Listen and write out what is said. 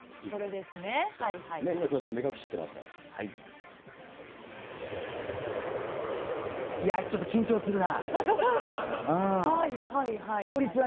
木村さん、目隠ししてますかいや、ちょっと緊張するな。